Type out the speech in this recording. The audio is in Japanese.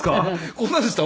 こんなでした？